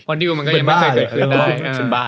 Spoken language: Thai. พอดีวมันก็ยังไม่มีใครทำ